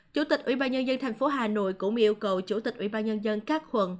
chủ tịch ủy ban nhân dân tp hà nội cũng yêu cầu chủ tịch ủy ban nhân dân các quận